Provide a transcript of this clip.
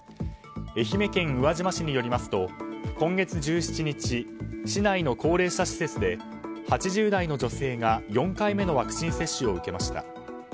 愛媛県宇和島市によりますと今月１７日市内の高齢者施設で８０代の女性が４回目のワクチン接種を受けました。